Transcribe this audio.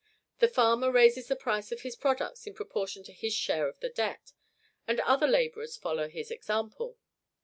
The farmer raises the price of his products in proportion to his share of the debt; the other laborers follow his example.